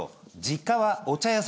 実家はお茶屋。